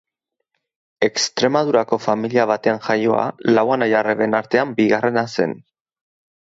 Extremadurako familia batean jaioa, lau anai-arreben artean bigarrena zen.